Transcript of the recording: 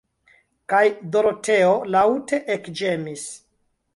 Kaj Doroteo laŭte ekĝemis.